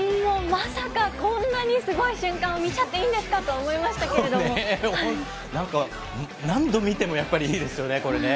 まさかこんなにすごい瞬間を見ちゃっていいんですかと思いま本当、何度見てもやっぱりいいですよね、これね。